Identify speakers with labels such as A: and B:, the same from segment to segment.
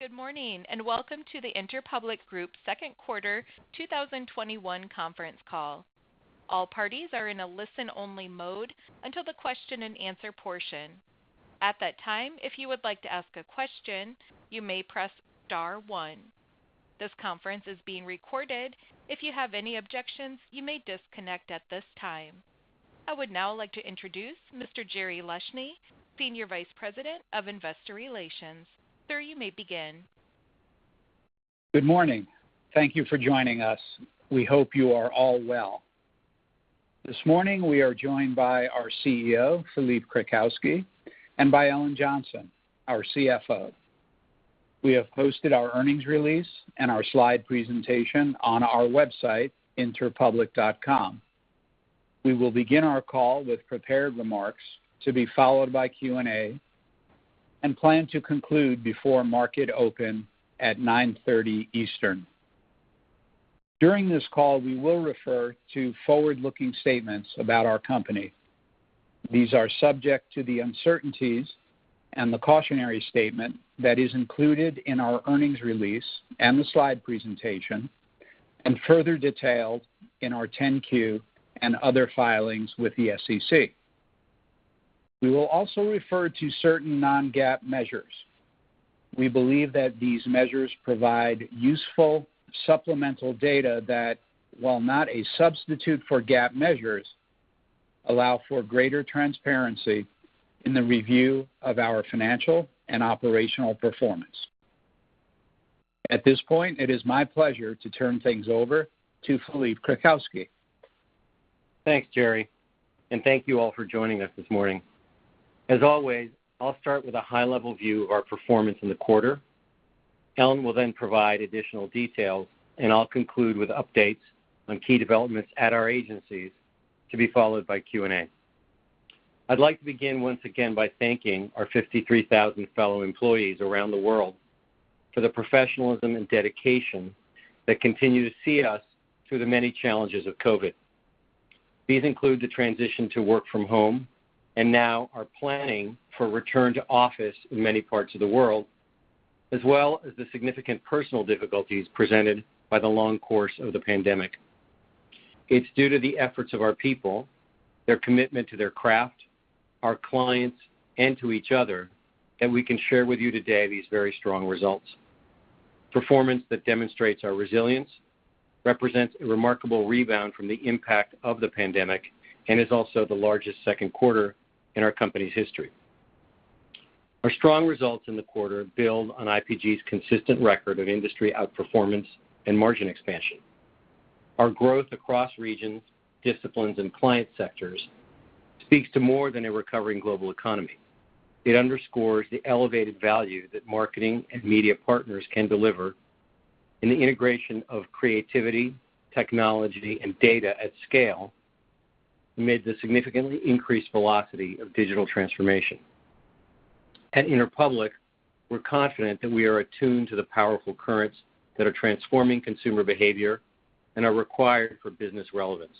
A: Good morning, welcome to The Interpublic Group second quarter 2021 conference call. All parties are in a listen-only mode until the question and answer portion. At that time, if you would like to ask a question, you may press star one. This conference is being recorded. If you have any objections, you may disconnect at this time. I would now like to introduce Mr. Jerry Leshne, Senior Vice President of Investor Relations. Sir, you may begin.
B: Good morning. Thank you for joining us. We hope you are all well. This morning, we are joined by our CEO, Philippe Krakowsky, and by Ellen Johnson, our CFO. We have posted our earnings release and our slide presentation on our website, interpublic.com. We will begin our call with prepared remarks to be followed by Q&A and plan to conclude before market open at 9:30 A.M. Eastern. During this call, we will refer to forward-looking statements about our company. These are subject to the uncertainties and the cautionary statement that is included in our earnings release and the slide presentation, and further detailed in our 10-Q and other filings with the SEC. We will also refer to certain non-GAAP measures. We believe that these measures provide useful supplemental data that, while not a substitute for GAAP measures, allow for greater transparency in the review of our financial and operational performance. At this point, it is my pleasure to turn things over to Philippe Krakowsky.
C: Thanks, Jerry. Thank you all for joining us this morning. As always, I'll start with a high-level view of our performance in the quarter. Ellen will then provide additional details, and I'll conclude with updates on key developments at our agencies, to be followed by Q&A. I'd like to begin once again by thanking our 53,000 fellow employees around the world for the professionalism and dedication that continue to see us through the many challenges of COVID. These include the transition to work from home, and now our planning for return to office in many parts of the world, as well as the significant personal difficulties presented by the long course of the pandemic. It's due to the efforts of our people, their commitment to their craft, our clients, and to each other that we can share with you today these very strong results. Performance that demonstrates our resilience represents a remarkable rebound from the impact of the pandemic and is also the largest second quarter in our company's history. Our strong results in the quarter build on The Interpublic Group's consistent record of industry outperformance and margin expansion. Our growth across regions, disciplines, and client sectors speaks to more than a recovering global economy. It underscores the elevated value that marketing and media partners can deliver in the integration of creativity, technology, and data at scale amid the significantly increased velocity of digital transformation. At Interpublic, we're confident that we are attuned to the powerful currents that are transforming consumer behavior and are required for business relevance,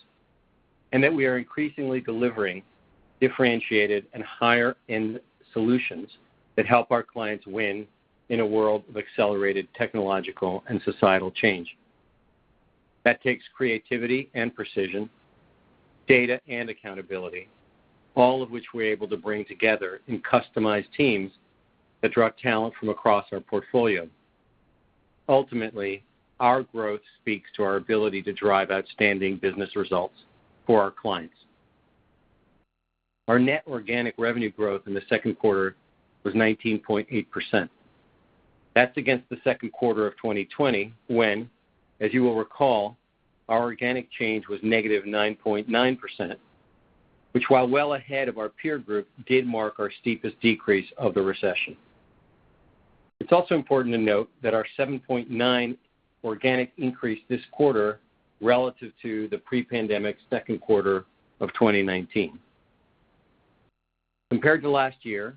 C: and that we are increasingly delivering differentiated and higher-end solutions that help our clients win in a world of accelerated technological and societal change. That takes creativity and precision, data and accountability, all of which we're able to bring together in customized teams that draw talent from across our portfolio. Ultimately, our growth speaks to our ability to drive outstanding business results for our clients. Our net organic revenue growth in the second quarter was 19.8%. That's against the second quarter of 2020 when, as you will recall, our organic change was -9.9%, which while well ahead of our peer group, did mark our steepest decrease of the recession. It's also important to note that our 7.9% organic increase this quarter relative to the pre-pandemic second quarter of 2019. Compared to last year,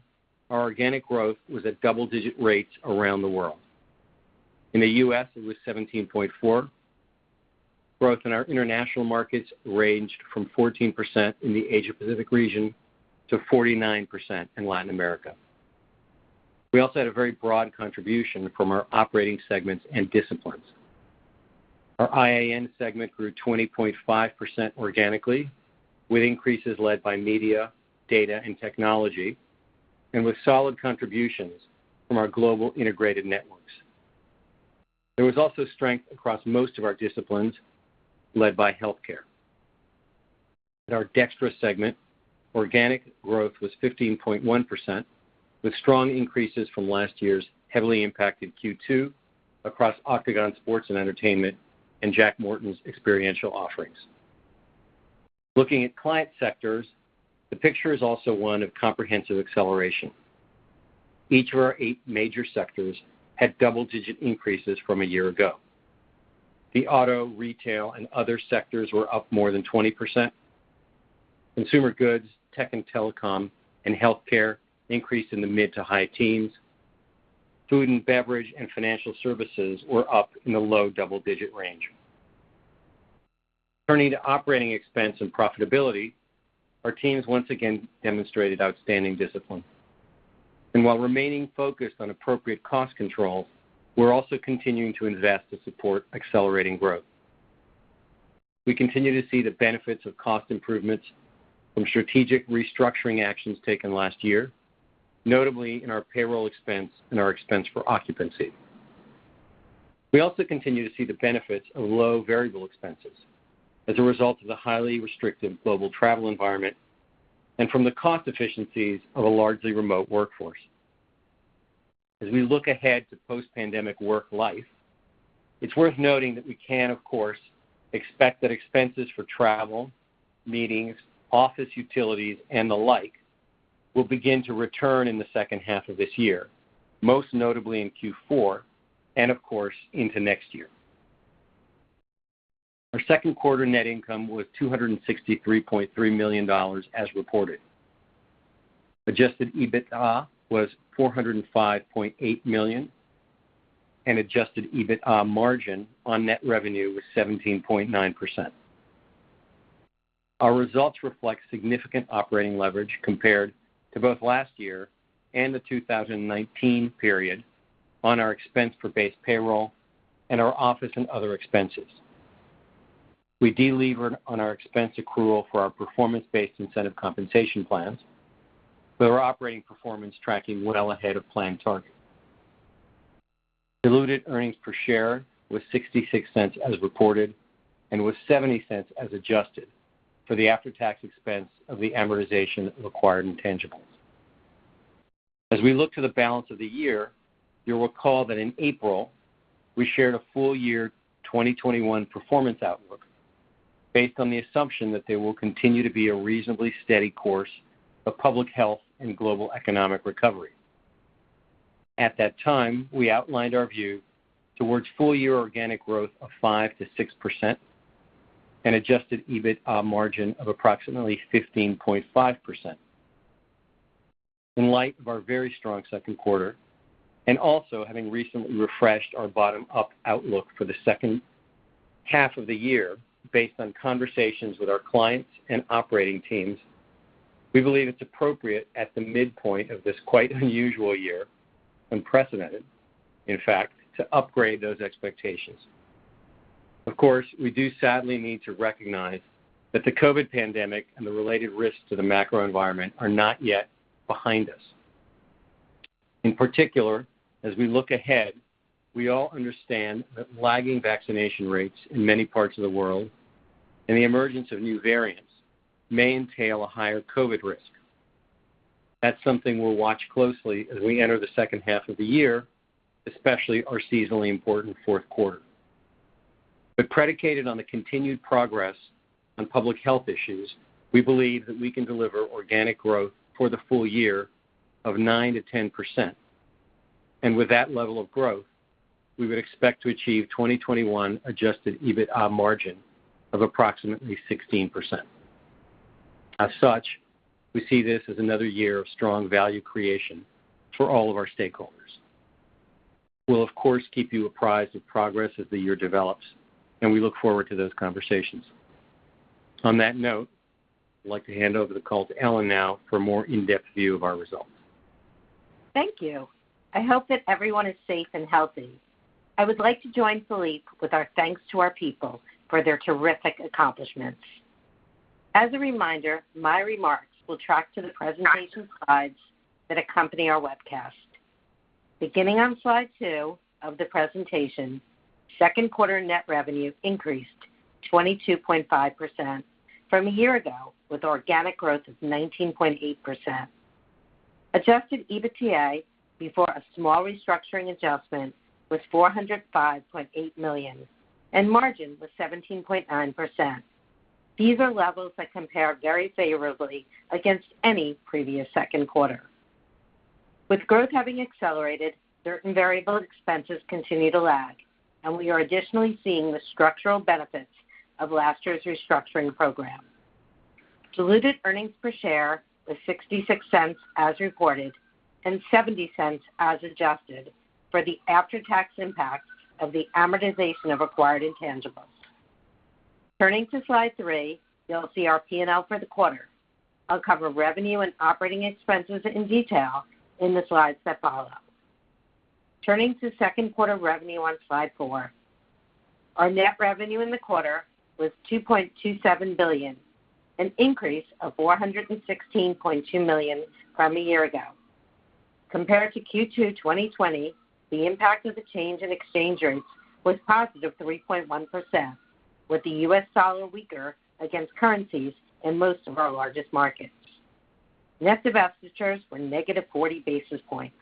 C: our organic growth was at double-digit rates around the world. In the U.S., it was 17.4%. Growth in our international markets ranged from 14% in the Asia Pacific region to 49% in Latin America. We also had a very broad contribution from our operating segments and disciplines. Our IAN segment grew 20.5% organically, with increases led by media, data, and technology, and with solid contributions from our global integrated networks. There was also strength across most of our disciplines, led by healthcare. At our DXTRA segment, organic growth was 15.1%, with strong increases from last year's heavily impacted Q2 across Octagon Sports & Entertainment and Jack Morton's experiential offerings. Looking at client sectors, the picture is also one of comprehensive acceleration. Each of our eight major sectors had double-digit increases from a year ago. The auto, retail, and other sectors were up more than 20%. Consumer goods, tech & telecom, and healthcare increased in the mid to high teens. Food and beverage and financial services were up in the low double-digit range. Turning to operating expense and profitability, our teams once again demonstrated outstanding discipline. While remaining focused on appropriate cost controls, we're also continuing to invest to support accelerating growth. We continue to see the benefits of cost improvements from strategic restructuring actions taken last year, notably in our payroll expense and our expense for occupancy. We also continue to see the benefits of low variable expenses as a result of the highly restrictive global travel environment and from the cost efficiencies of a largely remote workforce. As we look ahead to post-pandemic work life, it's worth noting that we can, of course, expect that expenses for travel, meetings, office utilities, and the like will begin to return in the second half of this year, most notably in Q4, and of course, into next year. Our second quarter net income was $263.3 million as reported. Adjusted EBITDA was $405.8 million, and adjusted EBITDA margin on net revenue was 17.9%. Our results reflect significant operating leverage compared to both last year and the 2019 period on our expense for base payroll and our office and other expenses. We de-levered on our expense accrual for our performance-based incentive compensation plans. Our operating performance tracking well ahead of plan target. Diluted earnings per share was $0.66 as reported, and was $0.70 as adjusted for the after-tax expense of the amortization of acquired intangibles. As we look to the balance of the year, you'll recall that in April, we shared a full year 2021 performance outlook based on the assumption that there will continue to be a reasonably steady course of public health and global economic recovery. At that time, we outlined our view towards full-year organic growth of 5%-6% and adjusted EBITDA margin of approximately 15.5%. In light of our very strong second quarter, and also having recently refreshed our bottom-up outlook for the second half of the year based on conversations with our clients and operating teams, we believe it's appropriate at the midpoint of this quite unusual year, unprecedented in fact, to upgrade those expectations. Of course, we do sadly need to recognize that the COVID pandemic and the related risks to the macro environment are not yet behind us. In particular, as we look ahead, we all understand that lagging vaccination rates in many parts of the world and the emergence of new variants may entail a higher COVID risk. That's something we'll watch closely as we enter the second half of the year, especially our seasonally important fourth quarter. Predicated on the continued progress on public health issues, we believe that we can deliver organic growth for the full year of 9% to 10%. With that level of growth, we would expect to achieve 2021 adjusted EBITDA margin of approximately 16%. As such, we see this as another year of strong value creation for all of our stakeholders. We'll of course, keep you apprised of progress as the year develops, and we look forward to those conversations. On that note, I'd like to hand over the call to Ellen Johnson now for a more in-depth view of our results.
D: Thank you. I hope that everyone is safe and healthy. I would like to join Philippe with our thanks to our people for their terrific accomplishments. As a reminder, my remarks will track to the presentation slides that accompany our webcast. Beginning on Slide 2 of the presentation, second quarter net revenue increased 22.5% from a year ago, with organic growth of 19.8%. Adjusted EBITDA, before a small restructuring adjustment, was $405.8 million, and margin was 17.9%. These are levels that compare very favorably against any previous second quarter. With growth having accelerated, certain variable expenses continue to lag, and we are additionally seeing the structural benefits of last year's restructuring program. Diluted earnings per share was $0.66 as reported, and $0.70 as adjusted for the after-tax impact of the amortization of acquired intangibles. Turning to Slide 3, you'll see our P&L for the quarter. I'll cover revenue and operating expenses in detail in the slides that follow. Turning to second quarter revenue on Slide 4. Our net revenue in the quarter was $2.27 billion, an increase of $416.2 million from a year ago. Compared to Q2 2020, the impact of the change in exchange rates was positive 3.1%, with the U.S. dollar weaker against currencies in most of our largest markets. Net divestitures were negative 40 basis points.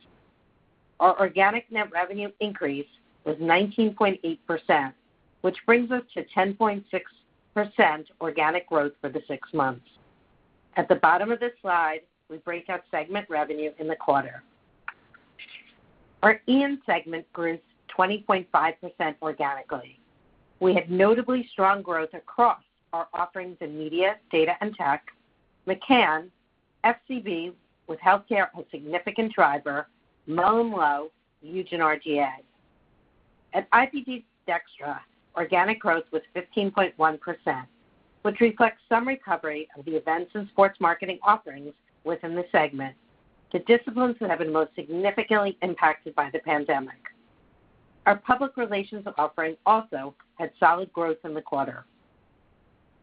D: Our organic net revenue increase was 19.8%, which brings us to 10.6% organic growth for the six months. At the bottom of this slide, we break out segment revenue in the quarter. Our IAN segment grew 20.5% organically. We had notably strong growth across our offerings in media, data, and tech, McCann, FCB Health, a significant driver, MullenLowe, Huge and R/GA. At The Interpublic Group DXTRA, organic growth was 15.1%, which reflects some recovery of the events and sports marketing offerings within the segment, the disciplines that have been most significantly impacted by the pandemic. Our public relations offerings also had solid growth in the quarter.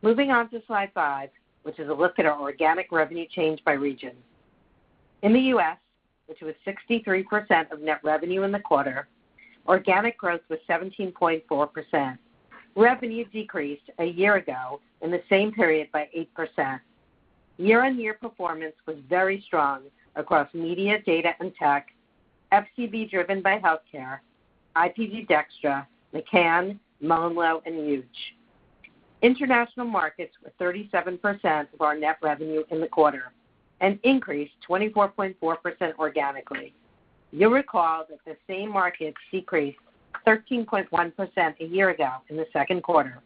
D: Moving on to Slide 5, which is a look at our organic revenue change by region. In the U.S., which was 63% of net revenue in the quarter, organic growth was 17.4%. Revenue decreased a year ago in the same period by 8%. Year-on-year performance was very strong across media, data and tech, FCB driven by healthcare, The Interpublic Group DXTRA, McCann, MullenLowe, and Huge. International markets were 37% of our net revenue in the quarter and increased 24.4% organically. You'll recall that the same markets decreased 13.1% a year ago in the second quarter,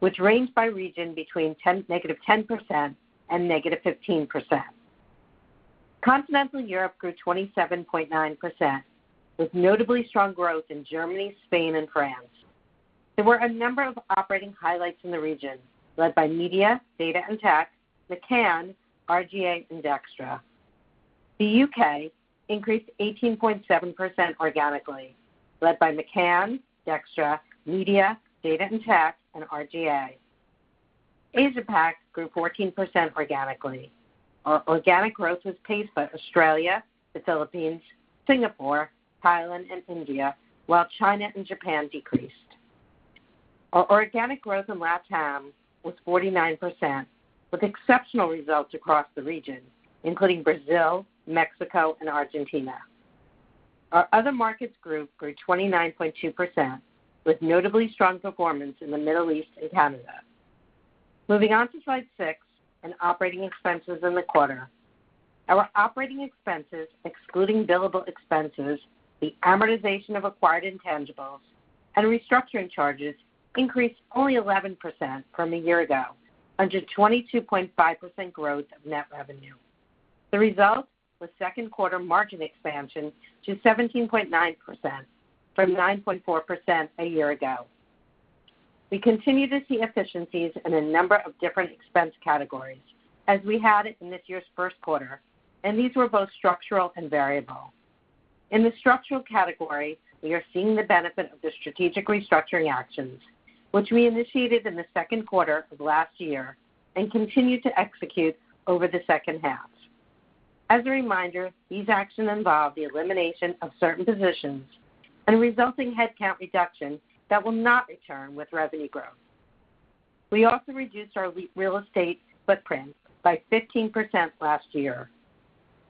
D: which ranged by region between -10% and -15%. Continental Europe grew 27.9%, with notably strong growth in Germany, Spain, and France. There were a number of operating highlights in the region led by media, data and tech, McCann, R/GA, and DXTRA. The U.K. increased 18.7% organically, led by McCann, DXTRA, media, data and tech, and R/GA. Asia-Pac grew 14% organically. Our organic growth was paced by Australia, the Philippines, Singapore, Thailand, and India, while China and Japan decreased. Our organic growth in LATAM was 49%, with exceptional results across the region, including Brazil, Mexico, and Argentina. Our other markets group grew 29.2%, with notably strong performance in the Middle East and Canada. Moving on to slide 6 and operating expenses in the quarter. Our operating expenses, excluding billable expenses, the amortization of acquired intangibles, and restructuring charges, increased only 11% from a year ago under 22.5% growth of net revenue. The result was second quarter margin expansion to 17.9% from 9.4% a year ago. We continue to see efficiencies in a number of different expense categories as we had it in this year's first quarter. These were both structural and variable. In the structural category, we are seeing the benefit of the strategic restructuring actions, which we initiated in the second quarter of last year and continue to execute over the second half. As a reminder, these actions involve the elimination of certain positions and resulting headcount reduction that will not return with revenue growth. We also reduced our real estate footprint by 15% last year.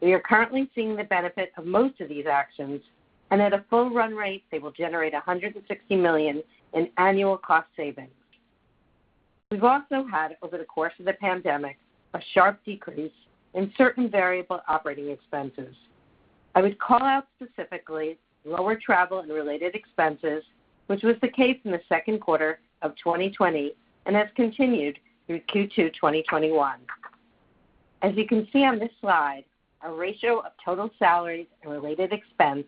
D: We are currently seeing the benefit of most of these actions. At a full run rate, they will generate $160 million in annual cost savings. We've also had, over the course of the pandemic, a sharp decrease in certain variable operating expenses. I would call out specifically lower travel and related expenses, which was the case in the second quarter of 2020 and has continued through Q2 2021. As you can see on this slide, our ratio of total salaries and related expense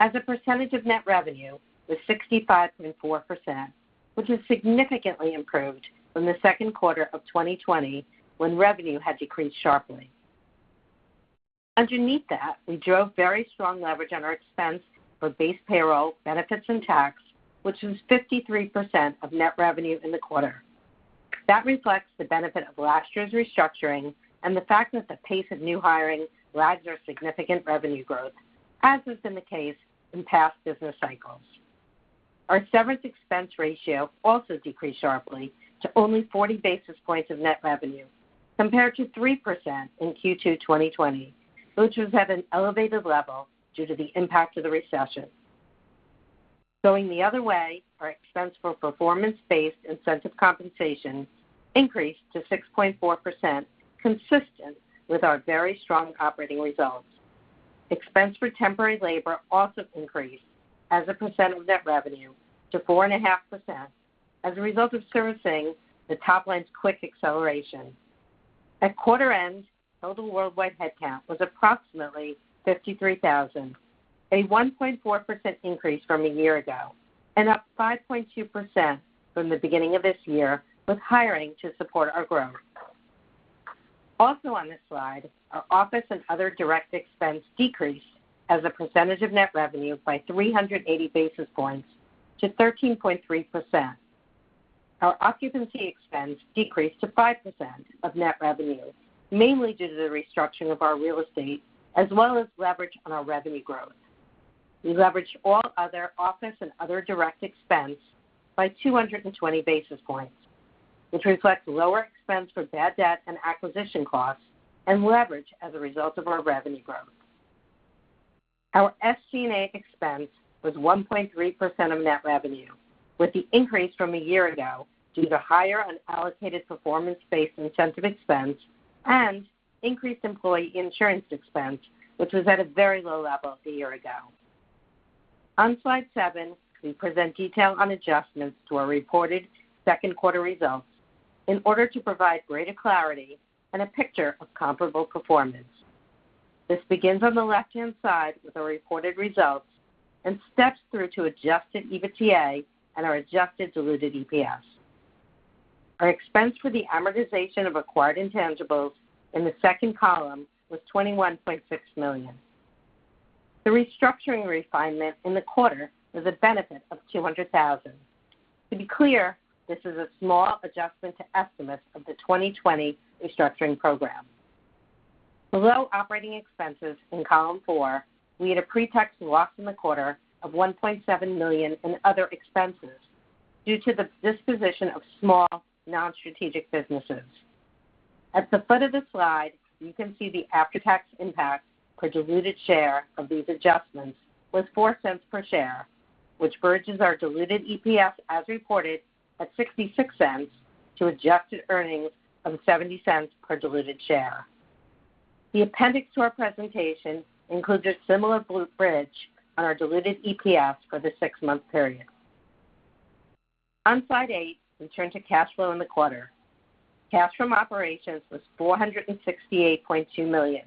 D: as a percentage of net revenue was 65.4%, which is significantly improved from the second quarter of 2020 when revenue had decreased sharply. Underneath that, we drove very strong leverage on our expense for base payroll, benefits, and tax, which was 53% of net revenue in the quarter. That reflects the benefit of last year's restructuring and the fact that the pace of new hiring lags our significant revenue growth, as has been the case in past business cycles. Our severance expense ratio also decreased sharply to only 40 basis points of net revenue, compared to 3% in Q2 2020, which was at an elevated level due to the impact of the recession. Going the other way, our expense for performance-based incentive compensation increased to 6.4%, consistent with our very strong operating results. Expense for temporary labor also increased as a % of net revenue to 4.5% as a result of servicing the top line's quick acceleration. At quarter end, total worldwide headcount was approximately 53,000, a 1.4% increase from a year ago, and up 5.2% from the beginning of this year with hiring to support our growth. Also on this slide, our office and other direct expense decreased as a % of net revenue by 380 basis points to 13.3%. Our occupancy expense decreased to 5% of net revenue, mainly due to the restructuring of our real estate as well as leverage on our revenue growth. We leveraged all other office and other direct expense by 220 basis points, which reflects lower expense for bad debt and acquisition costs and leverage as a result of our revenue growth. Our SG&A expense was 1.3% of net revenue, with the increase from a year ago due to higher unallocated performance-based incentive expense and increased employee insurance expense, which was at a very low level a year ago. On Slide 7, we present detail on adjustments to our reported second quarter results in order to provide greater clarity and a picture of comparable performance. This begins on the left-hand side with our reported results and steps through to adjusted EBITDA and our adjusted diluted EPS. Our expense for the amortization of acquired intangibles in the second column was $21.6 million. The restructuring refinement in the quarter was a benefit of $200,000. To be clear, this is a small adjustment to estimates of the 2020 restructuring program. Below operating expenses in column four, we had a pre-tax loss in the quarter of $1.7 million in other expenses due to the disposition of small, non-strategic businesses. At the foot of the slide, you can see the after-tax impact per diluted share of these adjustments was $0.04 per share, which bridges our diluted EPS as reported at $0.66 to adjusted earnings of $0.70 per diluted share. The appendix to our presentation includes a similar blue bridge on our diluted EPS for the six-month period. On Slide 8, we turn to cash flow in the quarter. Cash from operations was $468.2 million,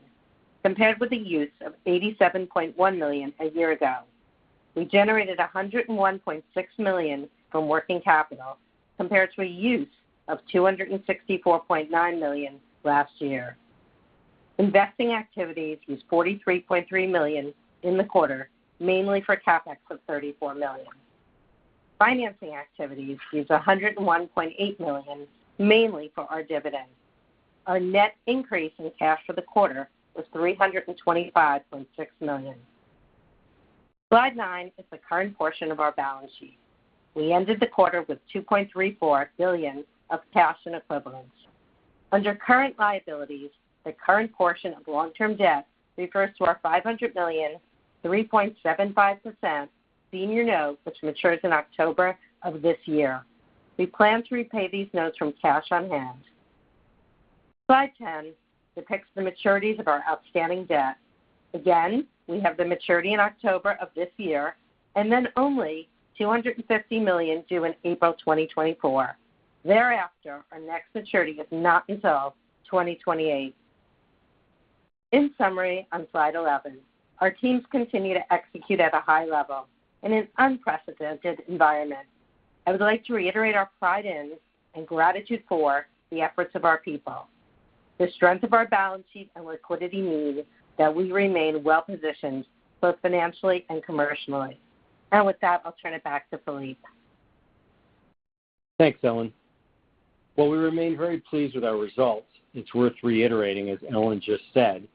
D: compared with the use of $87.1 million a year ago. We generated $101.6 million from working capital, compared to a use of $264.9 million last year. Investing activities was $43.3 million in the quarter, mainly for CapEx of $34 million. Financing activities was $101.8 million, mainly for our dividend. Our net increase in cash for the quarter was $325.6 million. Slide 9 is the current portion of our balance sheet. We ended the quarter with $2.34 billion of cash and equivalents. Under current liabilities, the current portion of long-term debt refers to our $500 million, 3.75% senior note which matures in October of this year. We plan to repay these notes from cash on hand. Slide 10 depicts the maturities of our outstanding debt. We have the maturity in October of this year, and then only $250 million due in April 2024. Thereafter, our next maturity is not until 2028. In summary, on Slide 11, our teams continue to execute at a high level in an unprecedented environment. I would like to reiterate our pride in and gratitude for the efforts of our people. The strength of our balance sheet and liquidity mean that we remain well-positioned, both financially and commercially. With that, I'll turn it back to Philippe.
C: Thanks, Ellen. While we remain very pleased with our results, it's worth reiterating, as Ellen just said,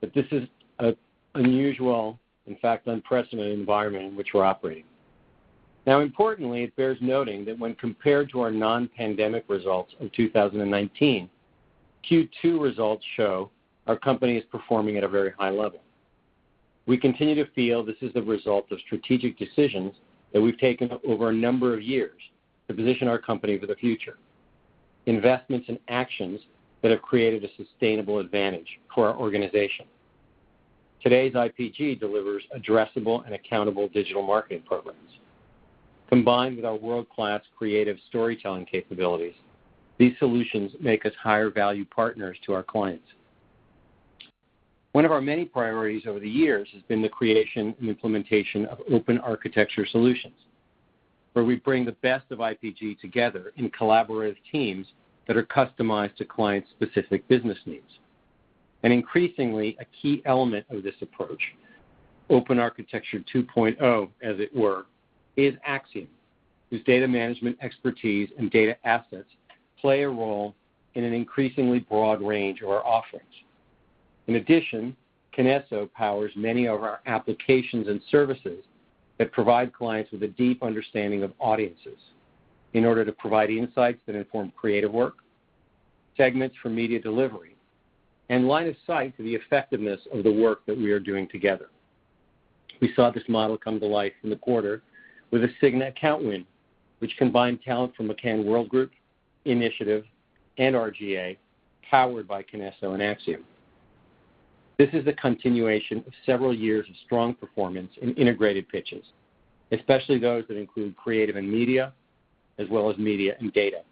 C: that this is an unusual, in fact, unprecedented environment in which we're operating. Now importantly, it bears noting that when compared to our non-pandemic results of 2019, Q2 results show our company is performing at a very high level. We continue to feel this is the result of strategic decisions that we've taken over a number of years to position our company for the future, investments and actions that have created a sustainable advantage for our organization. Today's The Interpublic Group delivers addressable and accountable digital marketing programs. Combined with our world-class creative storytelling capabilities, these solutions make us higher value partners to our clients. One of our many priorities over the years has been the creation and implementation of Open Architecture solutions, where we bring the best of The Interpublic Group together in collaborative teams that are customized to clients' specific business needs. Increasingly, a key element of this approach, Open Architecture 2.0, as it were, is Acxiom, whose data management expertise and data assets play a role in an increasingly broad range of our offerings. In addition, Kinesso powers many of our applications and services that provide clients with a deep understanding of audiences in order to provide insights that inform creative work, segments for media delivery, and line of sight to the effectiveness of the work that we are doing together. We saw this model come to life in the quarter with a Cigna account win, which combined talent from McCann Worldgroup, Initiative, and R/GA, powered by Kinesso and Acxiom. This is the continuation of several years of strong performance in integrated pitches, especially those that include creative and media, as well as media and data.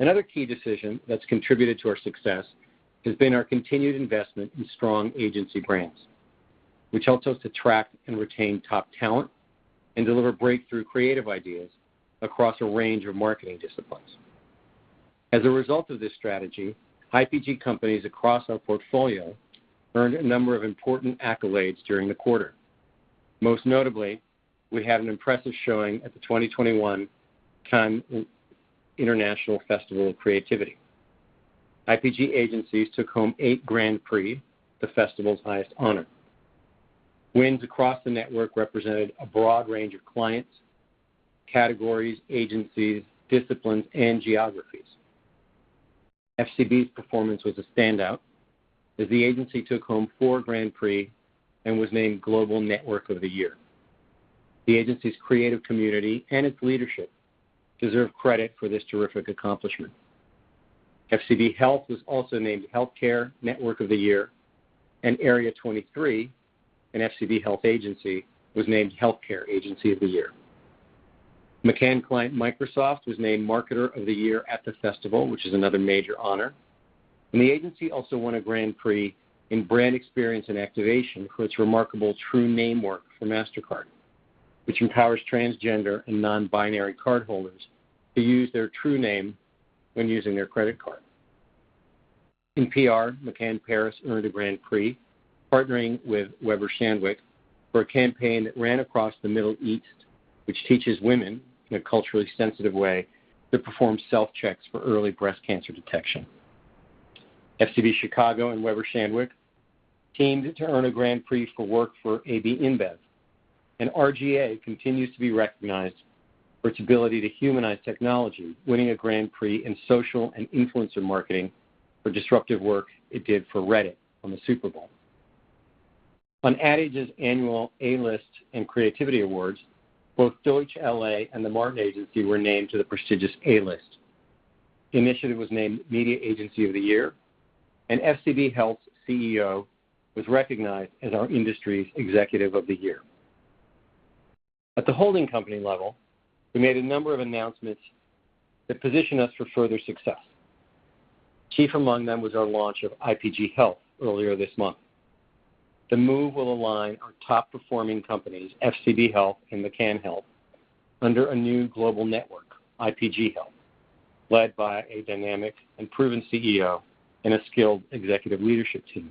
C: Another key decision that's contributed to our success has been our continued investment in strong agency brands, which helps us attract and retain top talent and deliver breakthrough creative ideas across a range of marketing disciplines. As a result of this strategy, The Interpublic Group companies across our portfolio earned a number of important accolades during the quarter. Most notably, we had an impressive showing at the 2021 Cannes Lions International Festival of Creativity. The Interpublic Group agencies took home eight Grand Prix, the festival's highest honor. Wins across the network represented a broad range of clients, categories, agencies, disciplines, and geographies. FCB's performance was a standout, as the agency took home four Grand Prix and was named Global Network of the Year. The agency's creative community and its leadership deserve credit for this terrific accomplishment. FCB Health was also named Healthcare Network of the Year, and Area 23, an FCB Health agency, was named Healthcare Agency of the Year. McCann client Microsoft was named Marketer of the Year at the festival, which is another major honor. The agency also won a Grand Prix in brand experience and activation for its remarkable True Name work for Mastercard, which empowers transgender and non-binary cardholders to use their true name when using their credit card. In PR, McCann Paris earned a Grand Prix partnering with Weber Shandwick for a campaign that ran across the Middle East, which teaches women, in a culturally sensitive way, to perform self-checks for early breast cancer detection. FCB Chicago and Weber Shandwick teamed to earn a Grand Prix for work for AB InBev. R/GA continues to be recognized for its ability to humanize technology, winning a Grand Prix in social and influencer marketing for disruptive work it did for Reddit on the Super Bowl. On Ad Age's annual A-List and Creativity Awards, both Deutsch LA and The Martin Agency were named to the prestigious A-List. Initiative was named Media Agency of the Year, and FCB Health's CEO was recognized as our industry's Executive of the Year. At the holding company level, we made a number of announcements that position us for further success. Chief among them was our launch of The Interpublic Group Health earlier this month. The move will align our top-performing companies, FCB Health and McCann Health, under a new global network, The Interpublic Group Health, led by a dynamic and proven CEO and a skilled executive leadership team.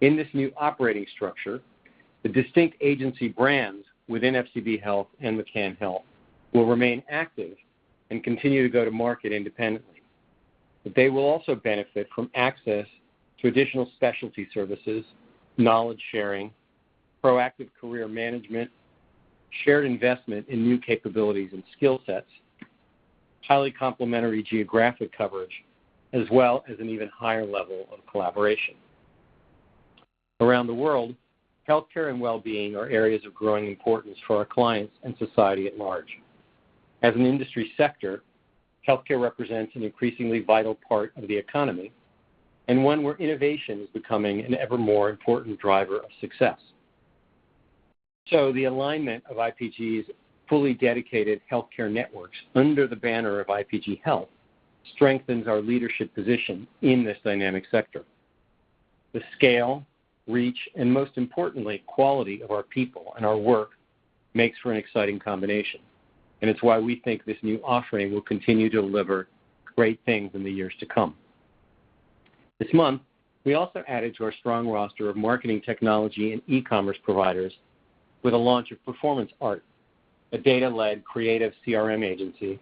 C: In this new operating structure, the distinct agency brands within FCB Health and McCann Health will remain active and continue to go to market independently. They will also benefit from access to additional specialty services, knowledge-sharing, proactive career management, shared investment in new capabilities and skill sets, highly complementary geographic coverage, as well as an even higher level of collaboration. Around the world, healthcare and wellbeing are areas of growing importance for our clients and society at large. As an industry sector, healthcare represents an increasingly vital part of the economy and one where innovation is becoming an ever more important driver of success. The alignment of The Interpublic Group's fully dedicated healthcare networks under the banner of The Interpublic Group Health strengthens our leadership position in this dynamic sector. The scale, reach, and most importantly, quality of our people and our work makes for an exciting combination, and it's why we think this new offering will continue to deliver great things in the years to come. This month, we also added to our strong roster of marketing technology and e-commerce providers with the launch of Performance Art, a data-led creative CRM agency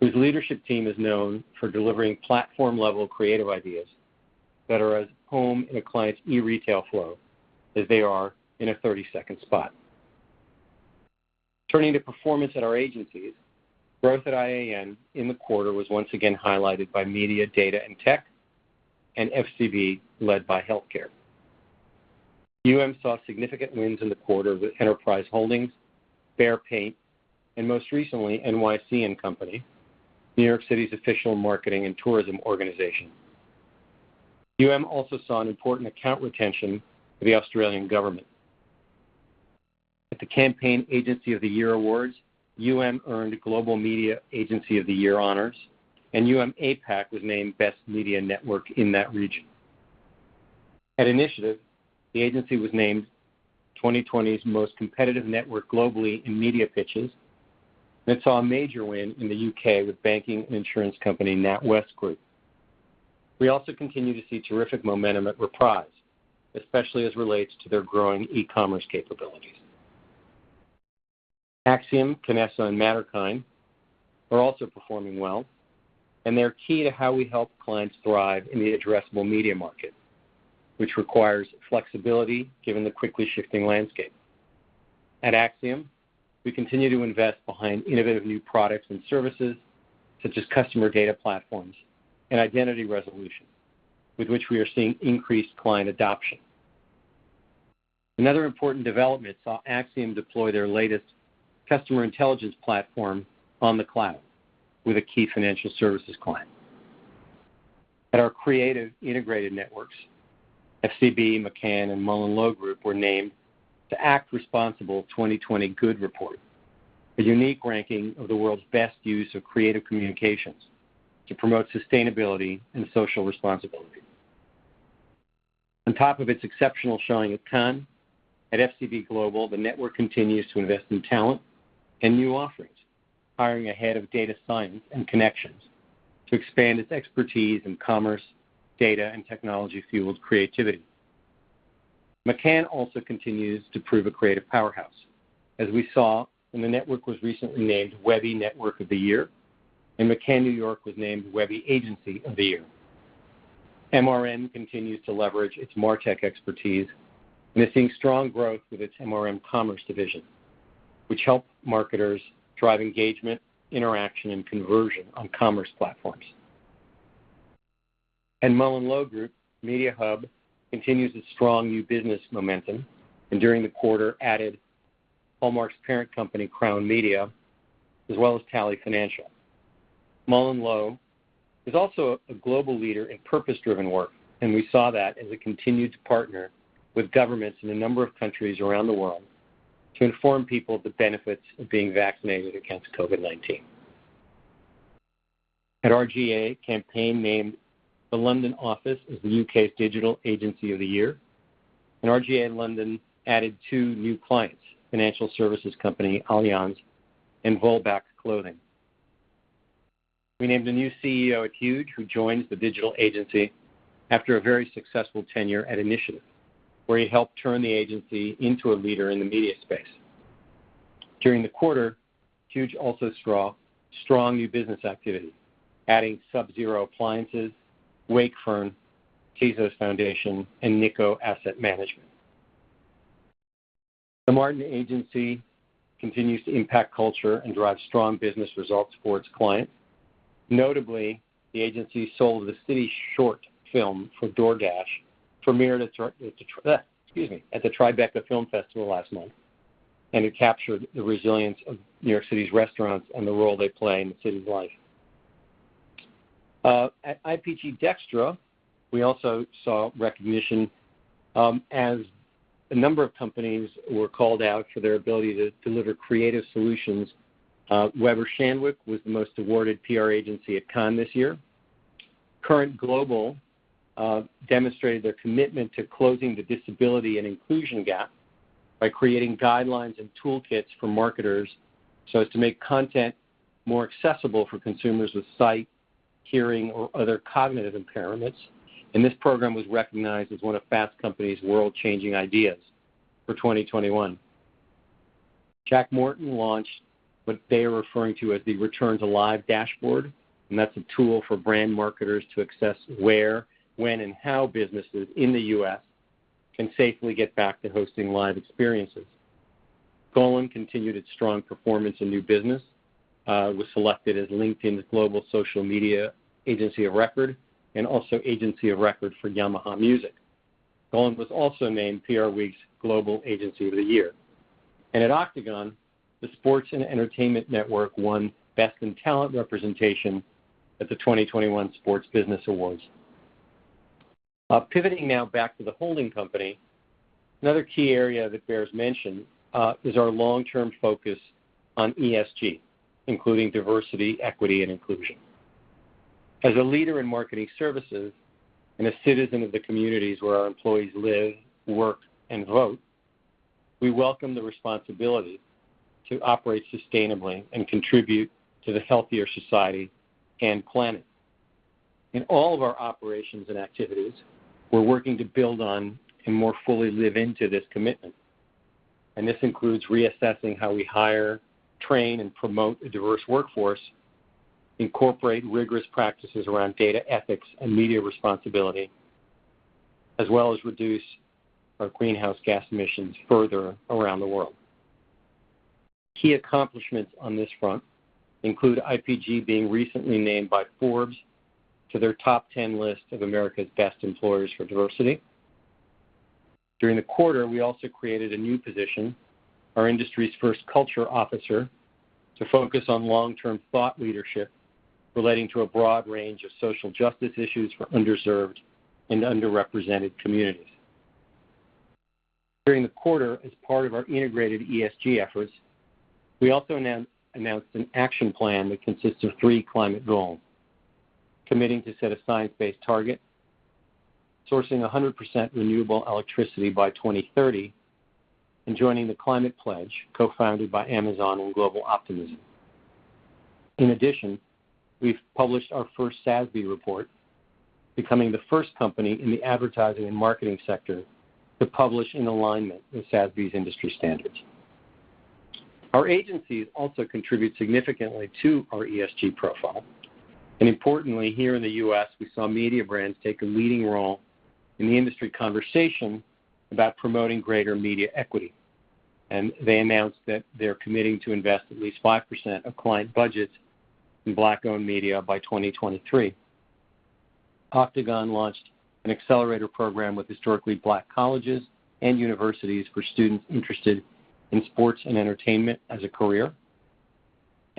C: whose leadership team is known for delivering platform-level creative ideas that are as at home in a client's e-retail flow as they are in a 30-second spot. Turning to performance at our agencies, growth at IAN in the quarter was once again highlighted by media, data, and tech, and FCB, led by healthcare. UM saw significant wins in the quarter with Enterprise Holdings, Behr Paint, and most recently, NYC & Company, New York City's official marketing and tourism organization. UM also saw an important account retention for the Australian government. At the Campaign Global Agency of the Year Awards, UM earned Global Media Agency of the Year honors, and UM APAC was named best media network in that region. At Initiative, the agency was named 2020's most competitive network globally in media pitches and saw a major win in the U.K. with banking and insurance company NatWest Group. We also continue to see terrific momentum at Reprise, especially as relates to their growing e-commerce capabilities. Acxiom, Kinesso, and Matterkind are also performing well, and they're key to how we help clients thrive in the addressable media market, which requires flexibility given the quickly shifting landscape. At Acxiom, we continue to invest behind innovative new products and services such as customer data platforms and identity resolution, with which we are seeing increased client adoption. Another important development saw Acxiom deploy their latest customer intelligence platform on the cloud with a key financial services client. At our creative integrated networks, FCB, McCann, and MullenLowe Group were named to Ad Age Responsibility 2020 Good Report, a unique ranking of the world's best use of creative communications to promote sustainability and social responsibility. On top of its exceptional showing at Cannes, at FCB Global, the network continues to invest in talent and new offerings, hiring a head of data science and connections to expand its expertise in commerce, data, and technology-fueled creativity. McCann also continues to prove a creative powerhouse, as we saw when the network was recently named Webby Network of the Year, and McCann New York was named Webby Agency of the Year. MRM continues to leverage its martech expertise and is seeing strong growth with its MRM Commerce division, which helps marketers drive engagement, interaction, and conversion on commerce platforms. MullenLowe Group, Mediahub continues its strong new business momentum, and during the quarter added Hallmark's parent company, Crown Media, as well as Tally Financial. MullenLowe is also a global leader in purpose-driven work, and we saw that as we continued to partner with governments in a number of countries around the world to inform people of the benefits of being vaccinated against COVID-19. At R/GA, Campaign named the London office as the U.K.'s Digital Agency of the Year, and R/GA in London added two new clients, financial services company, Allianz, and Vollebak Clothing. We named a new CEO at Huge who joins the digital agency after a very successful tenure at Initiative, where he helped turn the agency into a leader in the media space. During the quarter, Huge also saw strong new business activity, adding Sub-Zero Appliances, Wakefern, Bezos Earth Fund, and Nikko Asset Management. The Martin Agency continues to impact culture and drive strong business results for its clients. Notably, the agency Soul of the City Short film for DoorDash, premiered at the Tribeca Film Festival last month. It captured the resilience of New York City's restaurants and the role they play in the city's life. At The Interpublic Group DXTRA, we also saw recognition as a number of companies were called out for their ability to deliver creative solutions. Weber Shandwick was the most awarded PR agency at Cannes this year. Current Global demonstrated their commitment to closing the disability and inclusion gap by creating guidelines and toolkits for marketers so as to make content more accessible for consumers with sight, hearing, or other cognitive impairments. This program was recognized as one of Fast Company's World Changing Ideas for 2021. Jack Morton launched what they are referring to as the Return to Live Dashboard. That's a tool for brand marketers to assess where, when, and how businesses in the U.S. can safely get back to hosting live experiences. Golin continued its strong performance in new business, was selected as LinkedIn's Global Social Media Agency of Record. Also agency of record for Yamaha Music. Golin was also named PRWeek's Global Agency of the Year. At Octagon, the sports and entertainment network won Best in Talent Representation at the 2021 Sports Business Awards. Pivoting now back to the holding company, another key area that bears mention is our long-term focus on ESG, including diversity, equity, and inclusion. As a leader in marketing services and a citizen of the communities where our employees live, work, and vote, we welcome the responsibility to operate sustainably and contribute to the healthier society and planet. In all of our operations and activities, we're working to build on and more fully live into this commitment. This includes reassessing how we hire, train, and promote a diverse workforce, incorporate rigorous practices around data ethics and media responsibility, as well as reduce our greenhouse gas emissions further around the world. Key accomplishments on this front include The Interpublic Group being recently named by Forbes to their Top 10 list of America's Best Employers for Diversity. During the quarter, we also created a new position, our industry's first culture officer, to focus on long-term thought leadership relating to a broad range of social justice issues for underserved and underrepresented communities. During the quarter, as part of our integrated ESG efforts, we also announced an action plan that consists of three climate goals: committing to set a science-based target, sourcing 100% renewable electricity by 2030, and joining The Climate Pledge, co-founded by Amazon and Global Optimism. In addition, we've published our first SASB report, becoming the first company in the advertising and marketing sector to publish in alignment with SASB's industry standards. Our agencies also contribute significantly to our ESG profile. Importantly, here in the U.S., we saw Mediabrands take a leading role in the industry conversation about promoting greater media equity, and they announced that they're committing to invest at least 5% of client budgets in Black-owned media by 2023. Octagon launched an accelerator program with Historically Black Colleges and Universities for students interested in sports and entertainment as a career.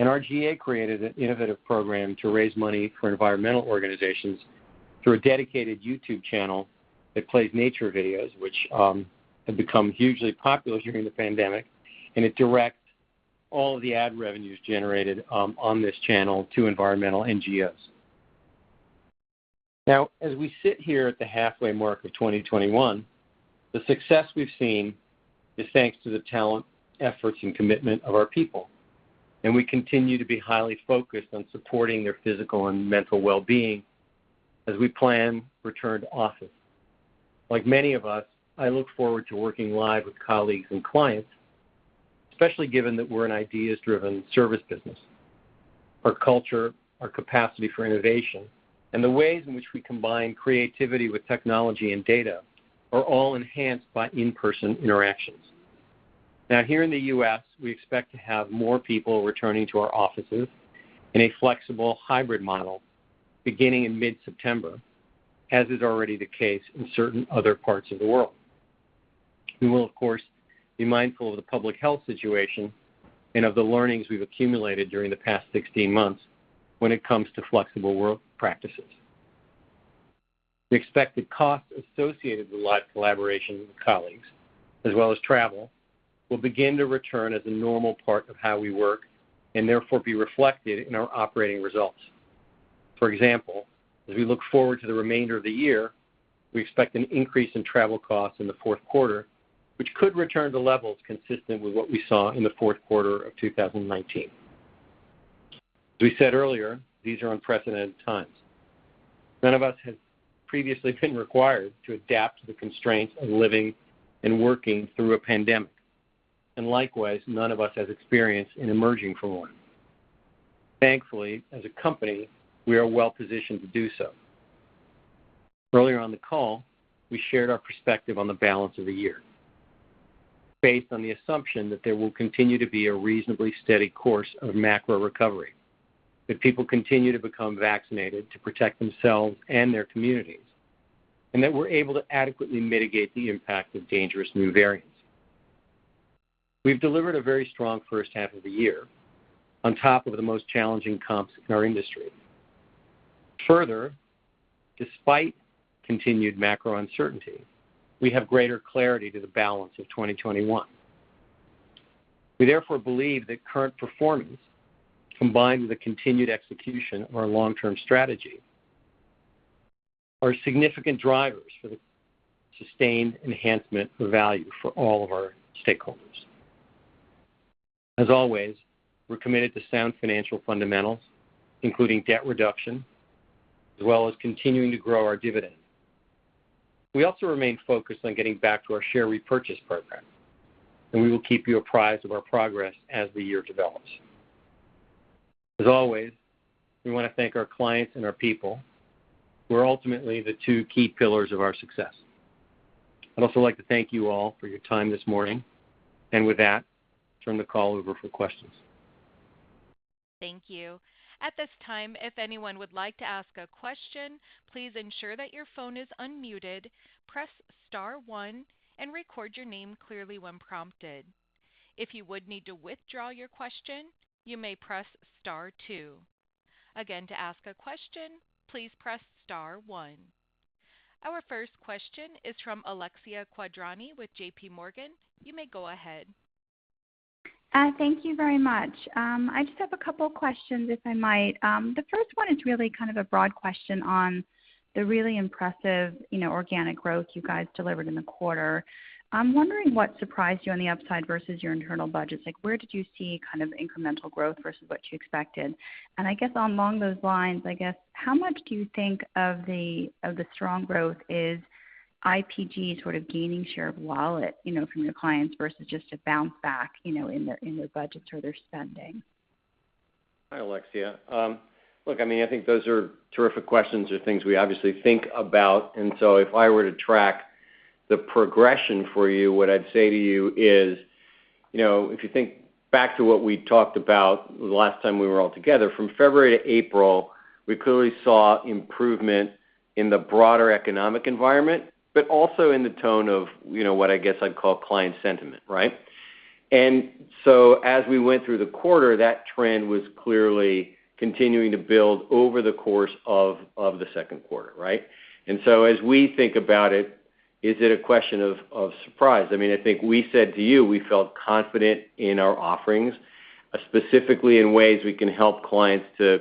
C: R/GA created an innovative program to raise money for environmental organizations through a dedicated YouTube channel that plays nature videos, which have become hugely popular during the pandemic, and it directs all the ad revenues generated on this channel to environmental NGOs. As we sit here at the halfway mark of 2021, the success we've seen is thanks to the talent, efforts, and commitment of our people, and we continue to be highly focused on supporting their physical and mental well-being as we plan return to office. Like many of us, I look forward to working live with colleagues and clients, especially given that we're an ideas-driven service business. Our culture, our capacity for innovation, and the ways in which we combine creativity with technology and data are all enhanced by in-person interactions. Here in the U.S., we expect to have more people returning to our offices in a flexible hybrid model beginning in mid-September, as is already the case in certain other parts of the world. We will, of course, be mindful of the public health situation and of the learnings we've accumulated during the past 16 months when it comes to flexible work practices. We expect the costs associated with live collaboration with colleagues, as well as travel, will begin to return as a normal part of how we work and therefore be reflected in our operating results. For example, as we look forward to the remainder of the year, we expect an increase in travel costs in the fourth quarter, which could return to levels consistent with what we saw in the fourth quarter of 2019. As we said earlier, these are unprecedented times. None of us has previously been required to adapt to the constraints of living and working through a pandemic, and likewise, none of us has experience in emerging from one. Thankfully, as a company, we are well positioned to do so. Earlier on the call, we shared our perspective on the balance of the year, based on the assumption that there will continue to be a reasonably steady course of macro recovery, that people continue to become vaccinated to protect themselves and their communities, and that we're able to adequately mitigate the impact of dangerous new variants. We've delivered a very strong first half of the year on top of the most challenging comps in our industry. Further, despite continued macro uncertainty, we have greater clarity to the balance of 2021. We therefore believe that current performance, combined with the continued execution of our long-term strategy, are significant drivers for the sustained enhancement of value for all of our stakeholders. As always, we're committed to sound financial fundamentals, including debt reduction, as well as continuing to grow our dividend. We also remain focused on getting back to our share repurchase program, and we will keep you apprised of our progress as the year develops. As always, we want to thank our clients and our people, who are ultimately the two key pillars of our success. I'd also like to thank you all for your time this morning, and with that, turn the call over for questions.
A: Thank you. At this time, if anyone would like to ask a question, please ensure that your phone is unmuted, press star 1, and record your name clearly when prompted. If you would need to withdraw your question, you may press star 2. Again, to ask a question, please press star 1. Our first question is from Alexia Quadrani with JP Morgan. You may go ahead.
E: Thank you very much. I just have a couple questions, if I might. The first one is really kind of a broad question on the really impressive organic growth you guys delivered in the quarter. I'm wondering what surprised you on the upside versus your internal budgets. Where did you see incremental growth versus what you expected? I guess along those lines, I guess how much do you think of the strong growth is The Interpublic Group sort of gaining share of wallet from your clients versus just a bounce back in their budgets or their spending?
C: Hi, Alexia. Look, I think those are terrific questions. They're things we obviously think about. If I were to track the progression for you, what I'd say to you is, if you think back to what we talked about the last time we were all together, from February to April, we clearly saw improvement in the broader economic environment, but also in the tone of what I guess I'd call client sentiment, right? As we went through the quarter, that trend was clearly continuing to build over the course of the second quarter, right? As we think about it, is it a question of surprise? I think we said to you we felt confident in our offerings, specifically in ways we can help clients to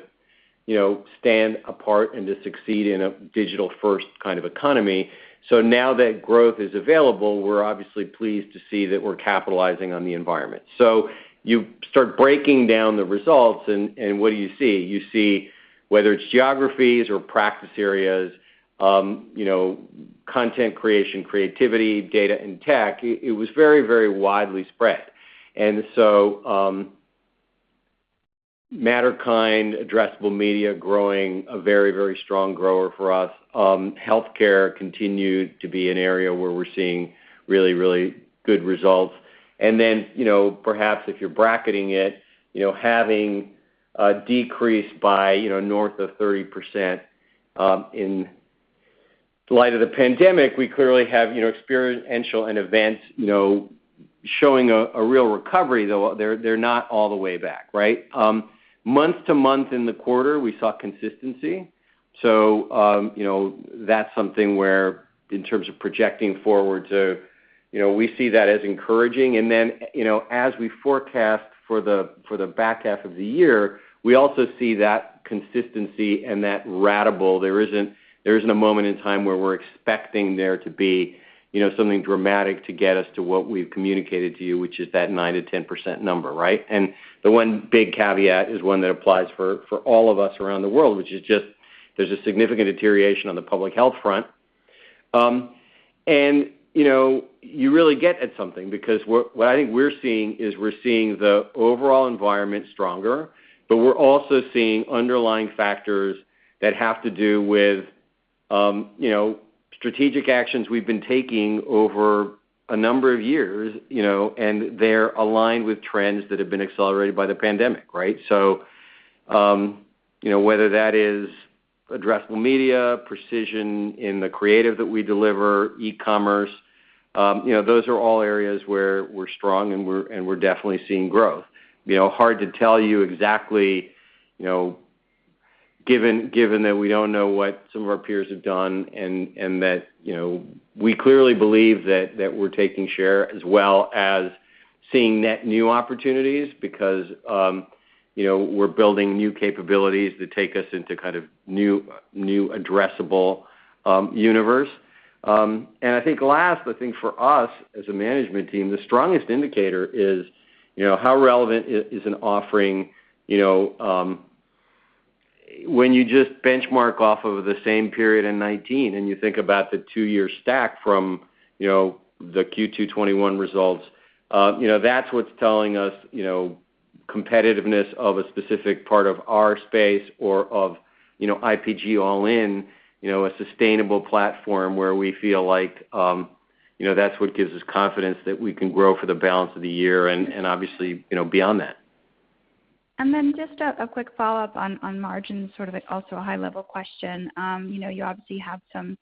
C: stand apart and to succeed in a digital-first kind of economy. Now that growth is available, we're obviously pleased to see that we're capitalizing on the environment. You start breaking down the results, and what do you see? You see whether it's geographies or practice areas, content creation, creativity, data, and tech. It was very widely spread. Matterkind, addressable media growing, a very strong grower for us. Healthcare continued to be an area where we're seeing really good results. Then, perhaps if you're bracketing it, having a decrease by north of 30% in light of the pandemic, we clearly have experiential and events showing a real recovery, though they're not all the way back, right? Month-to-month in the quarter, we saw consistency. That's something where in terms of projecting forward to. We see that as encouraging, and then, as we forecast for the back half of the year, we also see that consistency and that ratable. There isn't a moment in time where we're expecting there to be something dramatic to get us to what we've communicated to you, which is that 9%-10% number, right? The one big caveat is one that applies for all of us around the world, which is just there's a significant deterioration on the public health front. You really get at something because what I think we're seeing is we're seeing the overall environment stronger, but we're also seeing underlying factors that have to do with strategic actions we've been taking over a number of years, and they're aligned with trends that have been accelerated by the pandemic, right? Whether that is addressable media, precision in the creative that we deliver, e-commerce, those are all areas where we're strong and we're definitely seeing growth. Hard to tell you exactly, given that we don't know what some of our peers have done and that we clearly believe that we're taking share as well as seeing net new opportunities because we're building new capabilities that take us into kind of new addressable universe. I think last, I think for us as a management team, the strongest indicator is how relevant is an offering, when you just benchmark off of the same period in 2019, and you think about the two-year stack from the Q2 2021 results, that's what's telling us competitiveness of a specific part of our space or of The Interpublic Group all in, a sustainable platform where we feel like that's what gives us confidence that we can grow for the balance of the year and obviously beyond that.
E: Just a quick follow-up on margins, sort of also a high-level question. You obviously have some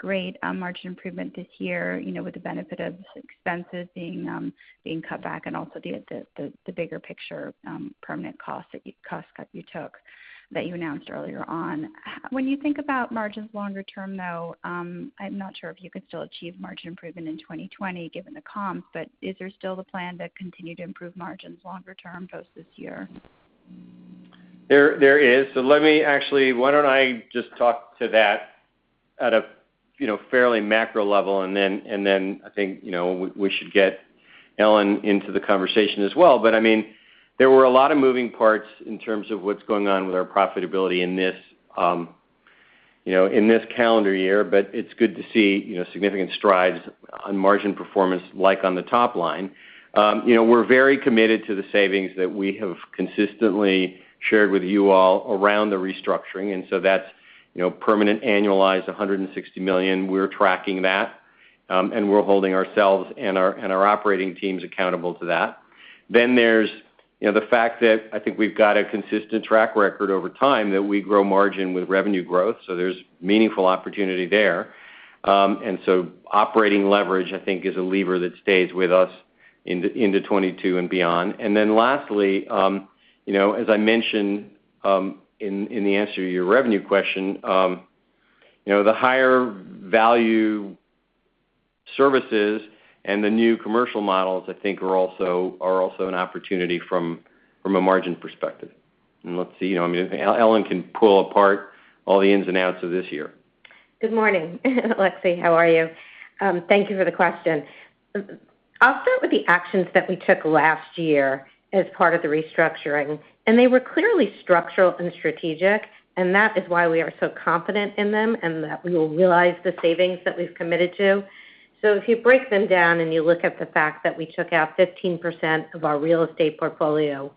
E: great margin improvement this year with the benefit of expenses being cut back and also the bigger picture, permanent cost cut you took that you announced earlier on. When you think about margins longer term, though, I'm not sure if you could still achieve margin improvement in 2020 given the comps, but is there still the plan to continue to improve margins longer term post this year?
C: There is. Let me actually talk to that at a fairly macro level, and then I think we should get Ellen into the conversation as well. There were a lot of moving parts in terms of what's going on with our profitability in this calendar year, but it's good to see significant strides on margin performance like on the top line. We're very committed to the savings that we have consistently shared with you all around the restructuring, that's permanent annualized, $160 million. We're tracking that, and we're holding ourselves and our operating teams accountable to that. There's the fact that I think we've got a consistent track record over time that we grow margin with revenue growth, so there's meaningful opportunity there. Operating leverage, I think, is a lever that stays with us into 2022 and beyond. Lastly, as I mentioned in the answer to your revenue question, the higher value services and the new commercial models, I think are also an opportunity from a margin perspective. Let's see, Ellen can pull apart all the ins and outs of this year.
D: Good morning, Alexia, how are you? Thank you for the question. I'll start with the actions that we took last year as part of the restructuring. They were clearly structural and strategic. That is why we are so confident in them and that we will realize the savings that we've committed to. If you break them down and you look at the fact that we took out 15% of our real estate portfolio,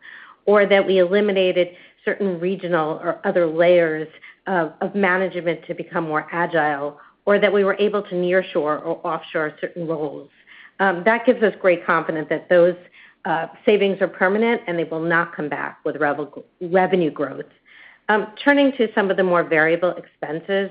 D: or that we eliminated certain regional or other layers of management to become more agile, or that we were able to nearshore or offshore certain roles, that gives us great confidence that those savings are permanent and they will not come back with revenue growth. Turning to some of the more variable expenses,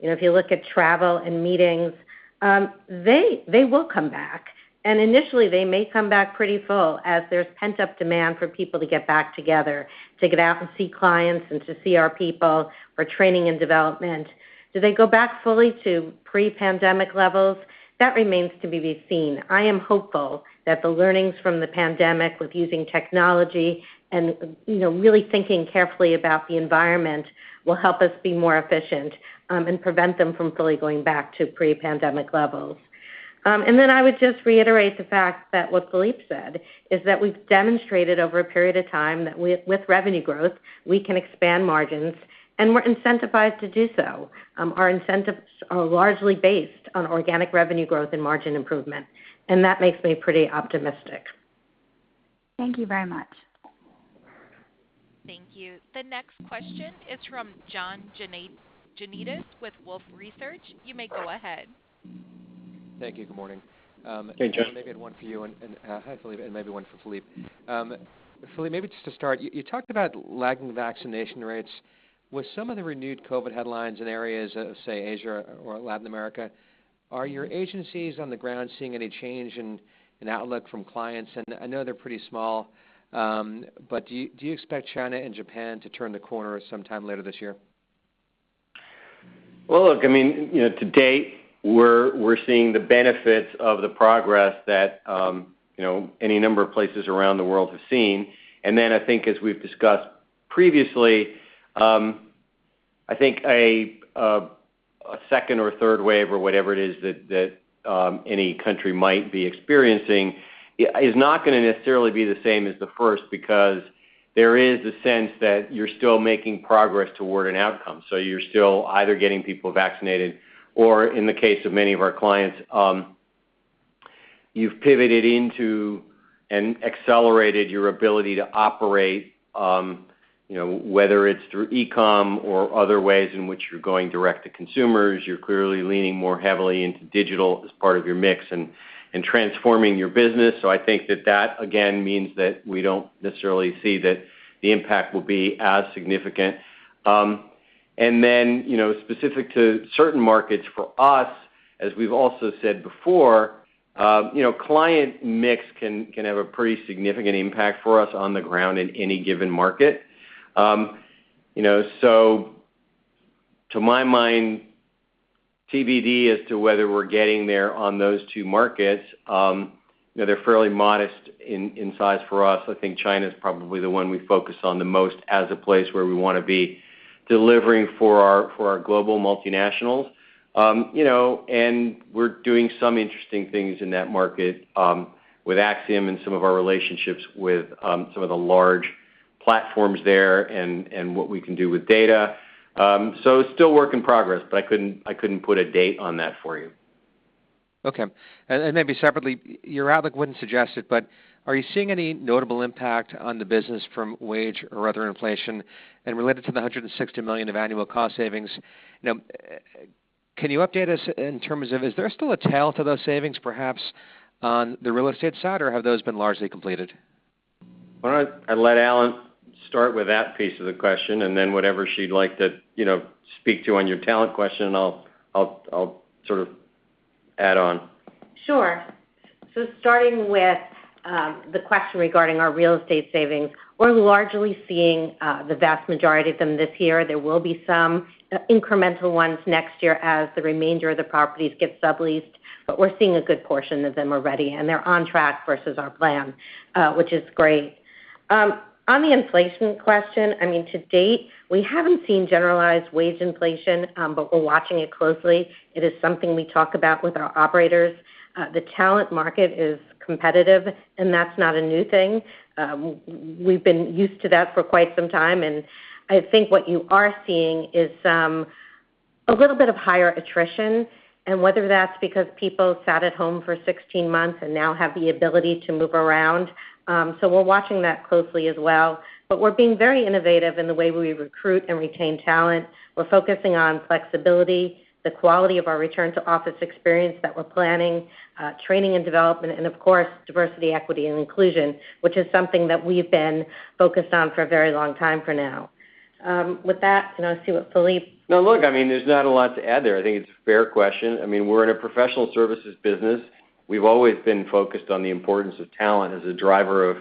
D: if you look at travel and meetings, they will come back, and initially, they may come back pretty full as there's pent-up demand for people to get back together, to get out and see clients and to see our people for training and development. Do they go back fully to pre-pandemic levels? I am hopeful that the learnings from the pandemic with using technology and really thinking carefully about the environment will help us be more efficient and prevent them from fully going back to pre-pandemic levels. I would just reiterate the fact that what Philippe said is that we've demonstrated over a period of time that with revenue growth, we can expand margins, and we're incentivized to do so. Our incentives are largely based on organic revenue growth and margin improvement, and that makes me pretty optimistic.
E: Thank you very much.
A: Thank you. The next question is from John Janedis with Wolfe Research. You may go ahead.
F: Thank you. Good morning.
C: Hey, John.
F: I maybe had one for you and, hi Philippe, and maybe one for Philippe. Philippe, maybe just to start, you talked about lagging vaccination rates. With some of the renewed COVID headlines in areas of, say, Asia or Latin America, are your agencies on the ground seeing any change in outlook from clients? I know they're pretty small, but do you expect China and Japan to turn the corner sometime later this year?
C: Look, to date, we're seeing the benefits of the progress that any number of places around the world have seen. I think as we've discussed previously, I think a second or third wave or whatever it is that any country might be experiencing is not going to necessarily be the same as the first because there is a sense that you're still making progress toward an outcome. You're still either getting people vaccinated or in the case of many of our clients, you've pivoted into and accelerated your ability to operate, whether it's through e-com or other ways in which you're going direct to consumers. You're clearly leaning more heavily into digital as part of your mix and transforming your business. I think that that, again, means that we don't necessarily see that the impact will be as significant. Specific to certain markets for us, as we've also said before, client mix can have a pretty significant impact for us on the ground in any given market. To my mind, TBD as to whether we're getting there on those two markets. They're fairly modest in size for us. I think China is probably the one we focus on the most as a place where we want to be delivering for our global multinationals. We're doing some interesting things in that market with Acxiom and some of our relationships with some of the large platforms there and what we can do with data. It's still a work in progress, but I couldn't put a date on that for you.
F: Okay. Maybe separately, your outlook wouldn't suggest it, but are you seeing any notable impact on the business from wage or other inflation? Related to the $160 million of annual cost savings, can you update us in terms of, is there still a tail to those savings, perhaps on the real estate side, or have those been largely completed?
C: Why don't I let Ellen start with that piece of the question, and then whatever she'd like to speak to on your talent question, I'll sort of add on.
D: Sure. Starting with the question regarding our real estate savings, we're largely seeing the vast majority of them this year. There will be some incremental ones next year as the remainder of the properties get subleased. We're seeing a good portion of them already. They're on track versus our plan, which is great. On the inflation question, to date, we haven't seen generalized wage inflation. We're watching it closely. It is something we talk about with our operators. The talent market is competitive. That's not a new thing. We've been used to that for quite some time. I think what you are seeing is a little bit of higher attrition, and whether that's because people sat at home for 16 months and now have the ability to move around. We're watching that closely as well, but we're being very innovative in the way we recruit and retain talent. We're focusing on flexibility, the quality of our return-to-office experience that we're planning, training and development, and of course, diversity, equity, and inclusion, which is something that we've been focused on for a very long time for now. With that, I'll cede to Philippe Krakowsky.
C: Look, there's not a lot to add there. I think it's a fair question. We're in a professional services business. We've always been focused on the importance of talent as a driver of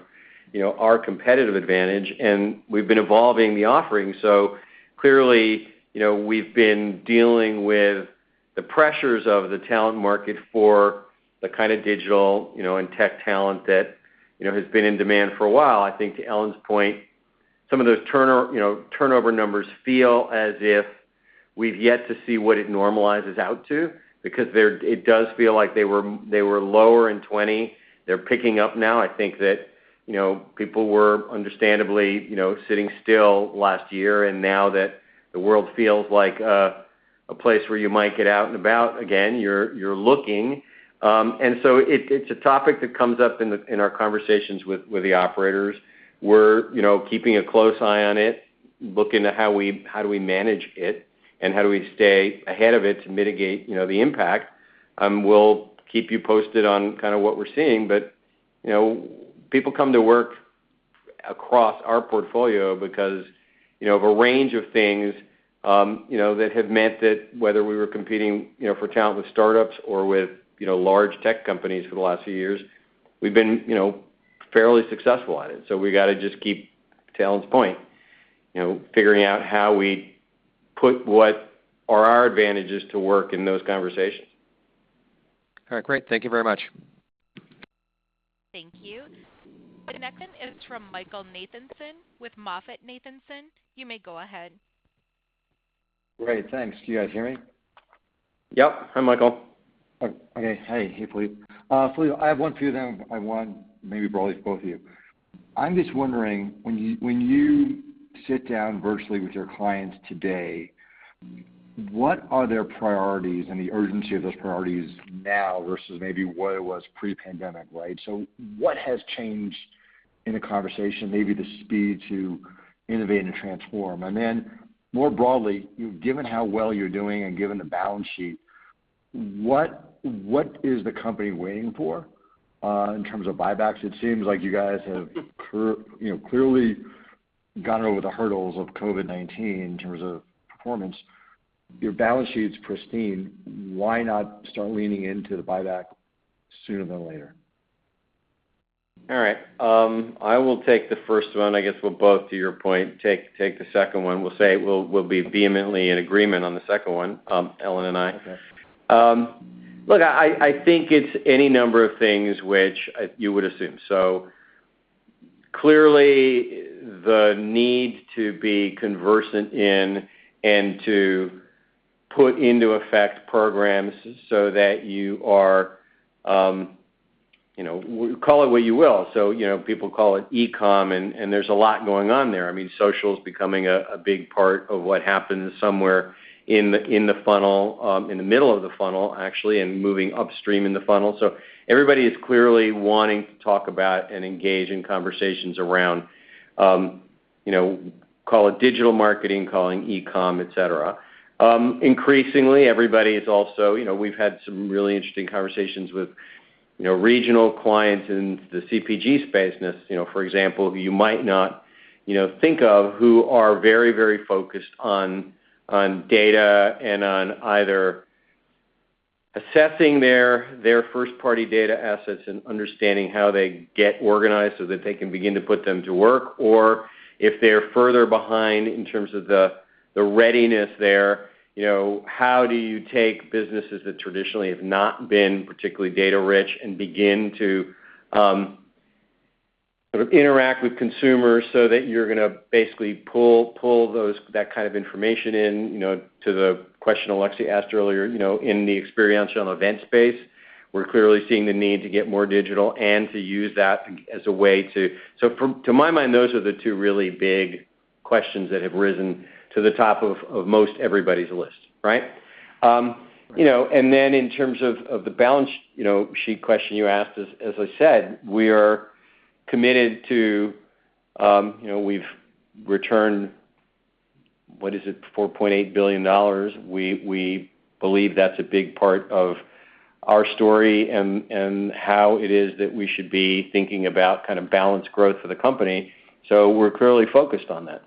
C: our competitive advantage, and we've been evolving the offering. Clearly, we've been dealing with the pressures of the talent market for the kind of digital and tech talent that has been in demand for a while. I think to Ellen's point, some of those turnover numbers feel as if we've yet to see what it normalizes out to, because it does feel like they were lower in 2020. They're picking up now. I think that people were understandably sitting still last year, and now that the world feels like a place where you might get out and about again, you're looking. It's a topic that comes up in our conversations with the operators. We're keeping a close eye on it, looking at how do we manage it, and how do we stay ahead of it to mitigate the impact. We'll keep you posted on what we're seeing. People come to work across our portfolio because of a range of things that have meant that whether we were competing for talent with startups or with large tech companies for the last few years, we've been fairly successful at it. We got to just keep to Ellen's point, figuring out how we put what are our advantages to work in those conversations.
F: All right, great. Thank you very much.
A: Thank you. The next one is from Michael Nathanson with MoffettNathanson. You may go ahead.
G: Great, thanks. Can you guys hear me?
C: Yep. Hi, Michael.
G: Okay. Hey, Philippe. Philippe, I have one for you. I want maybe broadly for both of you. I'm just wondering, when you sit down virtually with your clients today, what are their priorities and the urgency of those priorities now versus maybe what it was pre-pandemic, right? What has changed in the conversation, maybe the speed to innovate and transform? More broadly, given how well you're doing and given the balance sheet, what is the company waiting for in terms of buybacks? It seems like you guys have clearly gotten over the hurdles of COVID-19 in terms of performance. Your balance sheet's pristine. Why not start leaning into the buyback sooner than later?
C: All right. I will take the first one. I guess we'll both, to your point, take the second one. We'll say we'll be vehemently in agreement on the second one, Ellen and I.
G: Okay.
C: Look, I think it's any number of things which you would assume. Clearly, the need to be conversant in and to put into effect programs so that you are, call it what you will. People call it e-com, and there's a lot going on there. Social is becoming a big part of what happens somewhere in the funnel, in the middle of the funnel, actually, and moving upstream in the funnel. Everybody is clearly wanting to talk about and engage in conversations around, call it digital marketing, calling e-com, et cetera. Increasingly, we've had some really interesting conversations with regional clients in the CPG space, for example, who you might not think of who are very focused on data and on either assessing their first-party data assets and understanding how they get organized so that they can begin to put them to work, or if they're further behind in terms of the readiness there, how do you take businesses that traditionally have not been particularly data rich and begin to interact with consumers so that you're going to basically pull that kind of information in, to the question Alexia asked earlier, in the experiential and event space. We're clearly seeing the need to get more digital and to use that as a way to. To my mind, those are the two really big questions that have risen to the top of most everybody's list, right?
D: Right.
C: In terms of the balance sheet question you asked, as I said, we've returned, what is it, $4.8 billion. We believe that's a big part of our story and how it is that we should be thinking about balanced growth for the company. We're clearly focused on that.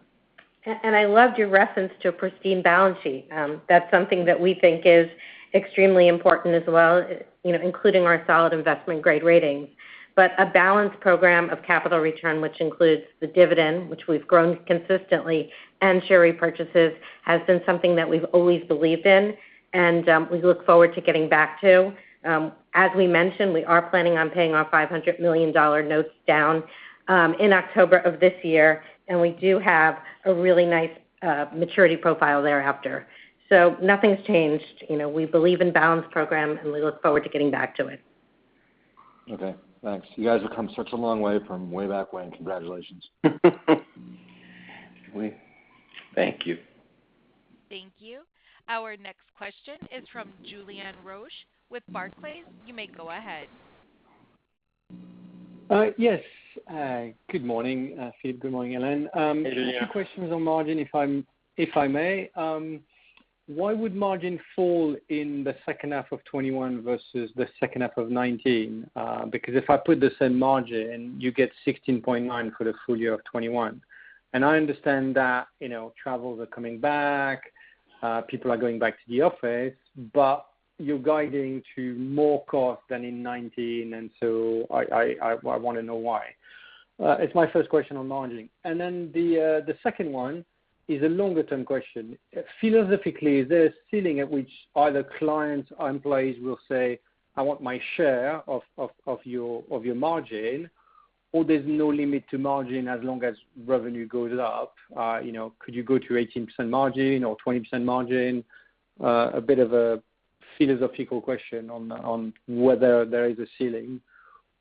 D: I loved your reference to a pristine balance sheet. That's something that we think is extremely important as well, including our solid investment-grade ratings. A balanced program of capital return, which includes the dividend, which we've grown consistently, and share repurchases, has been something that we've always believed in and we look forward to getting back to. As we mentioned, we are planning on paying our $500 million notes down in October of this year, and we do have a really nice maturity profile thereafter. Nothing's changed. We believe in balanced program, and we look forward to getting back to it.
G: Okay, thanks. You guys have come such a long way from way back when. Congratulations.
C: We thank you.
A: Thank you. Our next question is from Julien Roch with Barclays. You may go ahead.
H: Yes. Good morning, Philippe. Good morning, Ellen.
C: Hey, Julien.
H: Two questions on margin, if I may. Why would margin fall in the second half of 2021 versus the second half of 2019? If I put the same margin, you get 16.9% for the full year of 2021. I understand that travels are coming back, people are going back to the office, you're guiding to more cost than in 2019, I want to know why. It's my first question on margin. The second one is a longer-term question. Philosophically, is there a ceiling at which either clients or employees will say, "I want my share of your margin," or there's no limit to margin as long as revenue goes up? Could you go to 18% margin or 20% margin? A bit of a philosophical question on whether there is a ceiling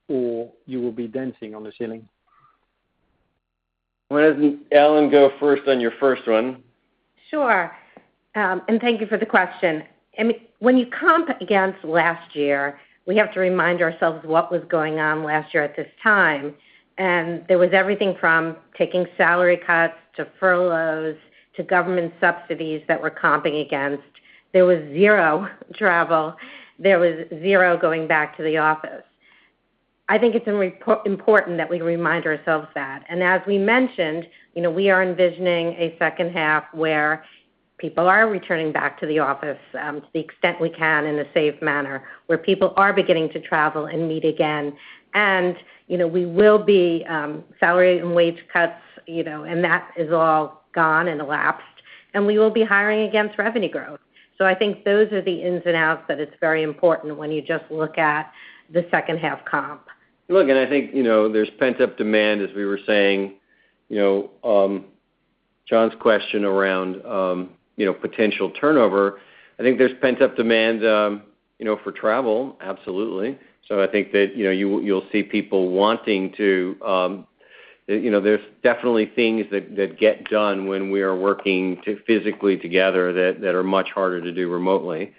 H: or you will be dancing on the ceiling. Why doesn't Ellen go first on your first one?
D: Sure. Thank you for the question. When you comp against last year, we have to remind ourselves what was going on last year at this time. There was everything from taking salary cuts to furloughs to government subsidies that we're comping against. There was zero travel. There was zero going back to the office. I think it's important that we remind ourselves that. As we mentioned, we are envisioning a second half where people are returning back to the office to the extent we can in a safe manner, where people are beginning to travel and meet again. Salary and wage cuts, that is all gone and elapsed, we will be hiring against revenue growth. I think those are the ins and outs that it's very important when you just look at the second half comp.
C: Look, I think there's pent-up demand, as we were saying. John's question around potential turnover, I think there's pent-up demand for travel. Absolutely. I think that you'll see people. There's definitely things that get done when we are working physically together that are much harder to do remotely.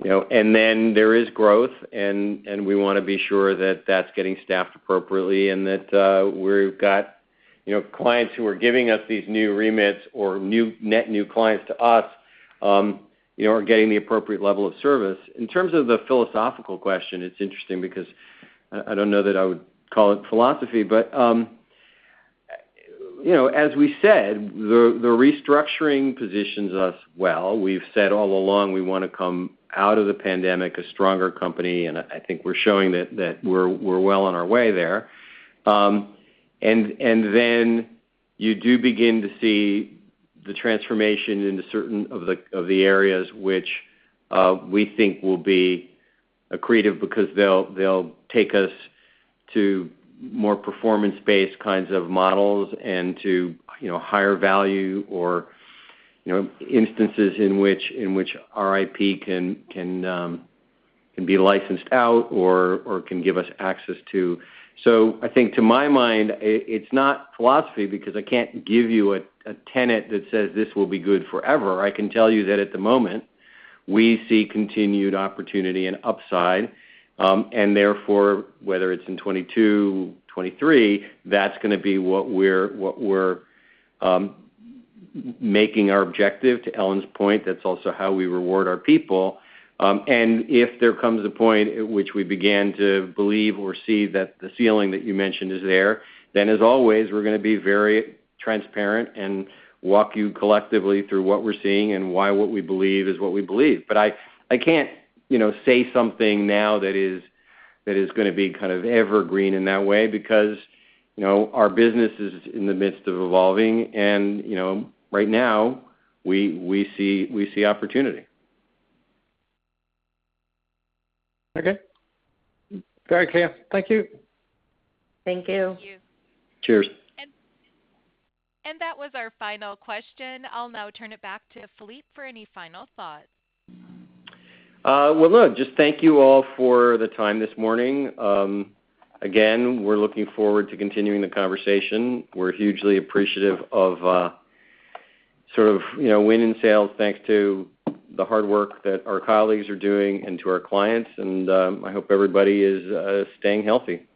C: There is growth, and we want to be sure that that's getting staffed appropriately and that we've got clients who are giving us these new remits or net new clients to us are getting the appropriate level of service. In terms of the philosophical question, it's interesting because I don't know that I would call it philosophy, but as we said, the restructuring positions us well. We've said all along we want to come out of the pandemic a stronger company, and I think we're showing that we're well on our way there. You do begin to see the transformation into certain of the areas which we think will be accretive because they'll take us to more performance-based kinds of models and to higher value or instances in which our IP can be licensed out or can give us access to. I think to my mind, it's not philosophy because I can't give you a tenet that says this will be good forever. I can tell you that at the moment, we see continued opportunity and upside. Therefore, whether it's in 2022, 2023, that's going to be what we're making our objective. To Ellen's point, that's also how we reward our people. If there comes a point at which we begin to believe or see that the ceiling that you mentioned is there, then as always, we're going to be very transparent and walk you collectively through what we're seeing and why what we believe is what we believe. I can't say something now that is going to be kind of evergreen in that way because our business is in the midst of evolving and right now we see opportunity.
H: Okay. Very clear. Thank you.
D: Thank you.
A: Thank you.
C: Cheers.
A: That was our final question. I will now turn it back to Philippe for any final thoughts.
C: Well, look, just thank you all for the time this morning. We're looking forward to continuing the conversation. We're hugely appreciative of win in sales, thanks to the hard work that our colleagues are doing and to our clients, and I hope everybody is staying healthy.